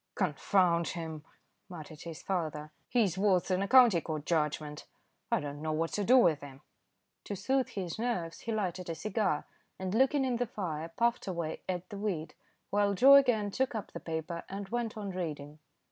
"Confound him," muttered his father. "He's worse than a county court judgment. I don't know what to do with him." To soothe his nerves he lighted a cigar, and looking in the fire puffed away at the weed, while Joe again took up the paper and went on reading.